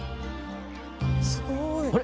すごい。